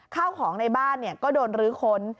ข้าวของในบ้านก็โดนรื้อค้น